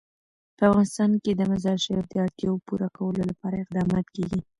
په افغانستان کې د مزارشریف د اړتیاوو پوره کولو لپاره اقدامات کېږي.